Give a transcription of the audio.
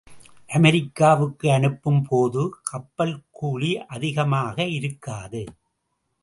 அமெரிக்காவுக்கு அனுப்பும் போது கப்பல் கூலி அதிகமாக இருக்காது.